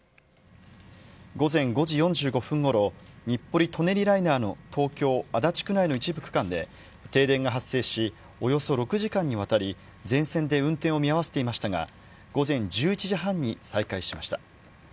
午前５時４５分ごろ、日暮里・舎人ライナーの東京・足立区内の一部区間で停電が発生し、およそ６時間にわたり、全線で運転を見合わせていましたが、午前１１時半に再開しました。